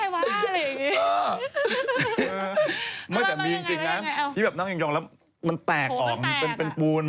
แล้วมันจะมีจริงนะที่ช่วยแน้นนั่งยำแล้วมันแตกออกเป็นกูล